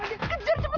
kejar cepet aja